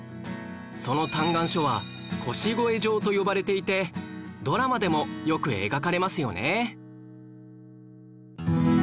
その嘆願書は腰越状と呼ばれていてドラマでもよく描かれますよね